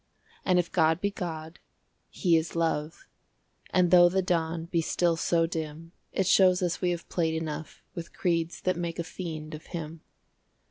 And if God be God, He is Love; And though the Dawn be still so dim, It shows us we have played enough With creeds that make a fiend of Him.